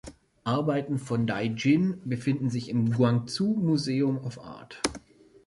Arbeiten von Dai Jin befinden sich im Guangzhou Museum of Art